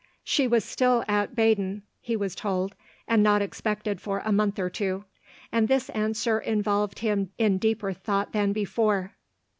She was still at Baden, he was told, and not expected for a month or two ; and this answer involved him in deeper though' than before.